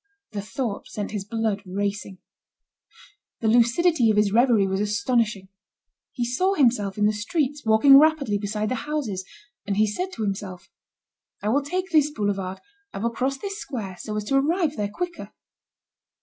The thought sent his blood racing. The lucidity of his reverie was astonishing. He saw himself in the streets walking rapidly beside the houses, and he said to himself: "I will take this Boulevard, I will cross this Square, so as to arrive there quicker."